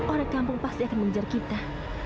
orang kampung pasti akan mengejar kita